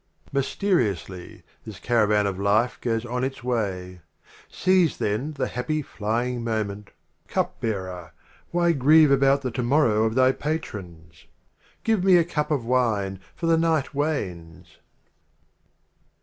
66 XLVIII. Mysteriously, this Caravan of Life The Litera i goes on its Way. Omar Seize, then, the happy Flying Mo ment. Cup Bearer, why grieve about the To morrow of thy Patrons ? Give me a Cup of Wine, for the Night wanes.